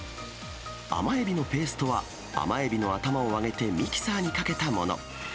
甘エビのペーストは、甘エビの頭を揚げてミキサーにかけたもの。